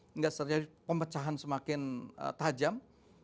tidak bisa pencahayaan semakin tajam